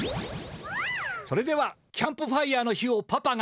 それではキャンプファイアの火をパパが。